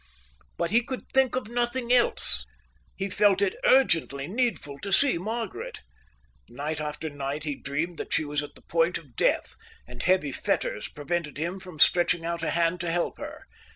But he could think of nothing else. He felt it urgently needful to see Margaret. Night after night he dreamed that she was at the point of death, and heavy fetters prevented him from stretching out a hand to help her.